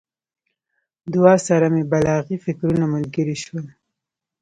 دعا سره مې بلاغي فکرونه ملګري شول.